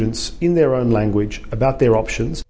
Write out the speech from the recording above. untuk memperkenalkan kemampuan mereka